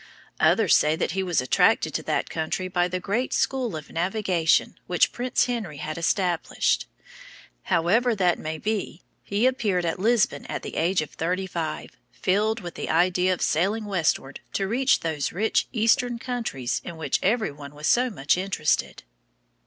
Others say that he was attracted to that country by the great school of navigation which Prince Henry had established. However that may be, he appeared at Lisbon at the age of thirty five, filled with the idea of sailing westward to reach those rich Eastern countries in which every one was so much interested.